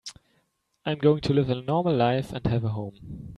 I'm going to live a normal life and have a home.